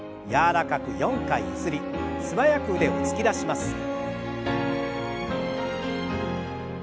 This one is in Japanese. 柔らかく４回ゆすり素早く腕を突き出します。